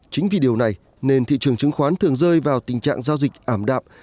chính vì điều này nên thị trường chứng khoán thường rơi vào tình trạng giao dịch ảm đạm